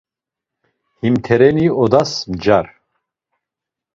Himtereni odas mcar.